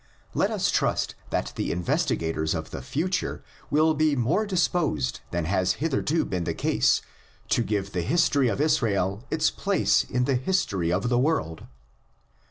Let us trust that the investi gators of the future will be more disposed than has hitherto been the case to give the history of Israel its place in the history of the world!